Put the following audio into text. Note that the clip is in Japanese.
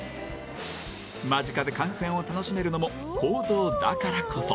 間近で観戦を楽しめるのも公道だからこそ。